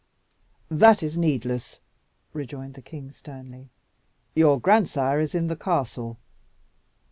"That is needless," rejoined the king sternly. "Your grandsire is in the castle."